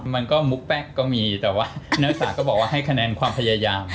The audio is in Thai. มันก็มุกแป๊กก็มีแต่ว่านักศึกษาก็บอกว่าให้คะแนนความพยายาม